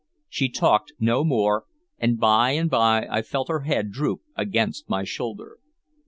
She talked no more, and by and by I felt her head droop against my shoulder.